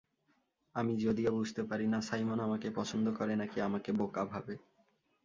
আমি যদিও বুঝতে পারি না সাইমন আমাকে পছন্দ করে নাকি আমাকে বোকা ভাবে।